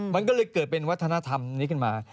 มันก็เลยเกิดเป็นวัฒนธรรมนี้ขึ้นมา